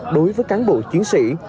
đối với cán bộ chiến sĩ